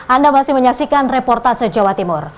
anda masih menyaksikan reportase jawa timur